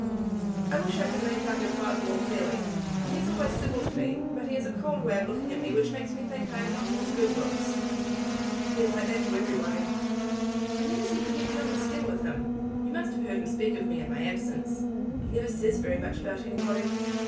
"I wish I could make out your father more clearly. He is always civil to me, but he has a cold way of looking at me which makes me think I am not in his good books." "He is like that to everybody." "I never seem to get beyond the skin with him. You must have heard him speak of me in my absence?" "He never says very much about anybody."